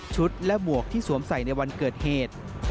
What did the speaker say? และหมวกที่สวมใส่ในวันเกิดเหตุ